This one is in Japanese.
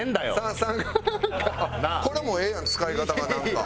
これもええやん使い方がなんか。